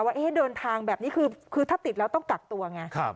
ว่าเอ๊ะเดินทางแบบนี้คือคือถ้าติดแล้วต้องกักตัวไงครับ